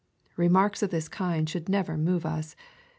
Remarks of this kind should never move us.